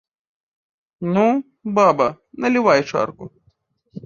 Ну, баба, налівай чарку.